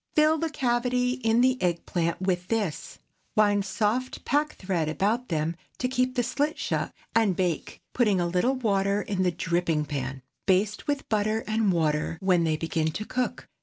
Fill the cavity in the egg plant with this; wind soft pack thread about them to keep the slit shut, and bake, putting a little water in the dripping pan. Baste with butter and water when they begin to cook.